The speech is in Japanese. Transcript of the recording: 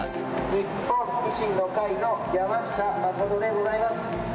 日本維新の会の山下真でございます。